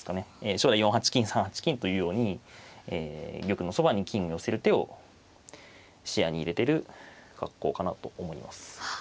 将来４八金３八金というように玉のそばに金を寄せる手を視野に入れてる格好かなと思います。